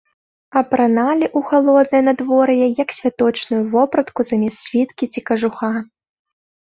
Апраналі ў халоднае надвор'е як святочную вопратку замест світкі ці кажуха.